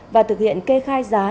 và thực hiện kê khai giá